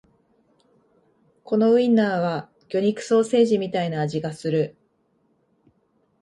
このウインナーは魚肉ソーセージみたいな味がする